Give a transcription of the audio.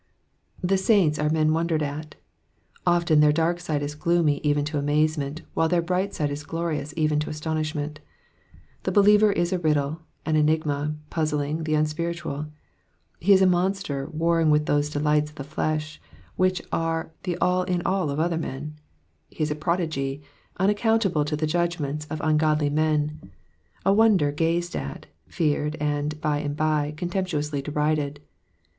The saints are men wondered at ; often their daik side is gloomy even to amazement, while their bright side is glorious even to astonishment. The believer fs a riddle, an enigma puzzling the unspiritual ; he is a monster warring with those delights of the flesh, which aie the all in all of other men ; he is a prodigy, unaccountable to the judgments of ungodly men ; a wonder gazed at, feared, and, by and by, contemptuously derided.